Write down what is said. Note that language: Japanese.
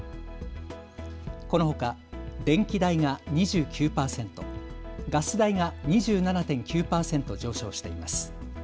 このほか電気代が２９％、ガス代が２７．９％上昇しています。